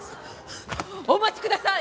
お待ちください！